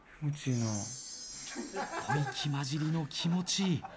吐息まじりの気持ちいい。